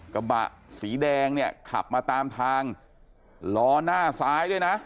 กระบะสีแดงเนี่ยขับมาตามทางล้อหน้าซ้ายด้วยนะ